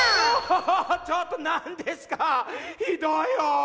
ちょっとなんですか⁉ひどいよ！